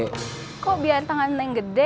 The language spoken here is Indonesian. kok biar tangan yang gede